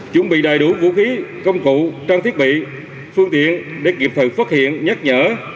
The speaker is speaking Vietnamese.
chuẩn bị đầy đủ vũ khí công cụ trang thiết bị phương tiện để kịp thời phát hiện nhắc nhở